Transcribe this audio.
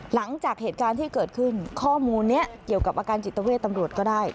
หลังจากเหตุการณ์ที่เกิดขึ้นข้อมูลนี้เกี่ยวกับอาการจิตเวทตำรวจก็ได้